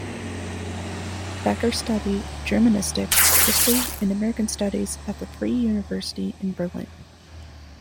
Becker studied Germanistics, History and American Studies at the Free University in Berlin.